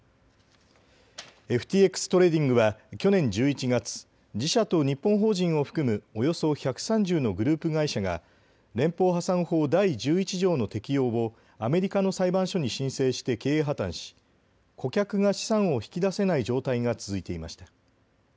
ＦＴＸトレーディングは去年１１月、自社と日本法人を含むおよそ１３０のグループ会社が連邦破産法第１１条の適用をアメリカの裁判所に申請して経営破綻し顧客が資産を引き出せない状態が続いていました。